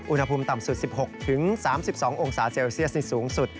อุณหภูมิต่ำสุด๑๖๓๒องศาเซลเซียสนี่สูงสุด